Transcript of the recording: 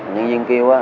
nhân viên kêu á